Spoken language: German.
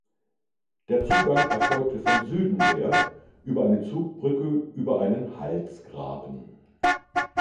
Der Zugang erfolgte von Süden her über eine Zugbrücke über einen Halsgraben.